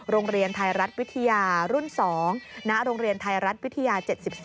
โรงเรียนไทยรัฐวิทยารุ่น๒ณโรงเรียนไทยรัฐวิทยา๗๔